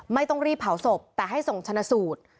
ไม่ต้องรีบเผาศพแต่ให้ส่งชนะสูตร